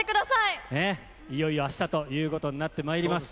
いよいよあしたということになってまいります。